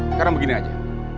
sekarang begini aja